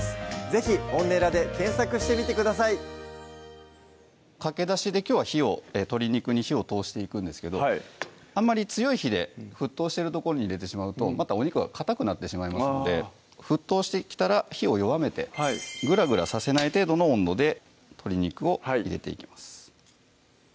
是非「オンネラ」で検索してみてくださいかけだしできょうは鶏肉に火を通していくんですけどあまり強い火で沸騰してるとこに入れてしまうとまたお肉がかたくなってしまいますので沸騰してきたら火を弱めてぐらぐらさせない程度の温度で鶏肉を入れていきます